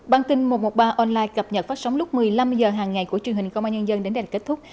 bản tin một trăm một mươi ba online cập nhật phát sóng lúc một mươi năm h hàng ngày của truyền hình công an nhân dân đến đây kết thúc